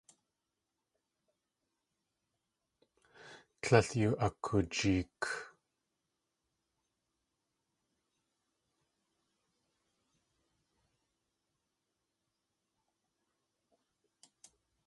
Tlél yoo akoojeek.